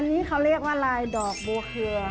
อันนี้เขาเรียกว่าลายดอกบัวเครือ